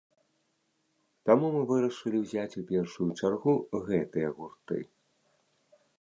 Таму мы вырашылі ўзяць у першую чаргу гэтыя гурты.